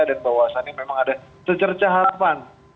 dan bahwasannya memang ada tecercahapan